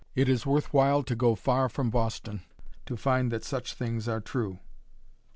It is worth while to go far from Boston to find that such things are true.